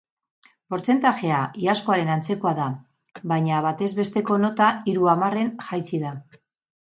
Portzentajea iazkoaren antzekoa da, baina batez besteko nota hiru hamarren jaitsi da.